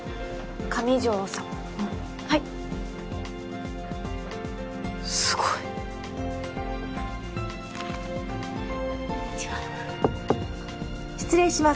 上条さんはいすごいこんにちは失礼します